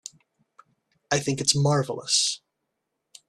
I think it's marvelous.